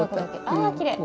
あきれい。